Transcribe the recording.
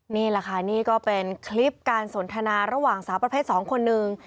นี่แหละค่ะนี่ก็เป็นคลิปการสนทนาระหว่างสาวประเภท๒คนนึง